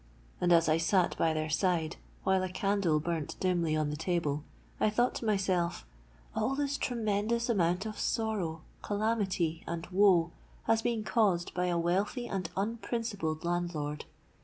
And as I sate by their side, while a candle burnt dimly on the table, I thought to myself, 'All this tremendous amount of sorrow, calamity, and woe has been caused by a wealthy and unprincipled landlord!